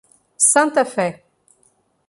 Santa Fé